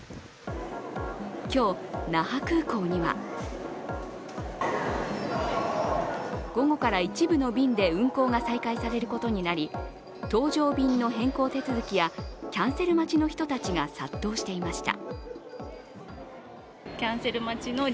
今日、那覇空港には午後から一部の便で運航が再開されることになり搭乗便の変更手続きやキャンセル待ちの人たちが殺到していました。